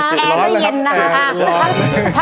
แอร์ไม่เย็นนะคะ